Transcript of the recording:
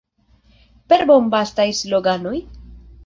Per bombastaj sloganoj?